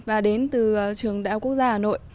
và đến từ trường đại học quốc gia hà nội